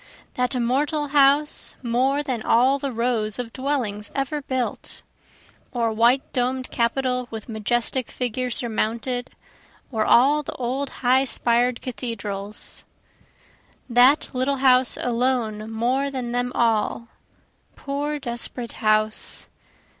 That immortal house more than all the rows of dwellings ever built! Or white domed capitol with majestic figure surmounted, or all the old high spired cathedrals, That little house alone more than them all poor, desperate house!